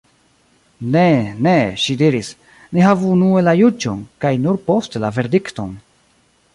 "Ne, ne," ŝi diris, "ni havu unue la juĝon, kaj nur poste la verdikton."